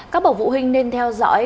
các bậc phụ huynh nên theo dõi